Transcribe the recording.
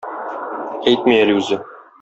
Әйтми әле үзе.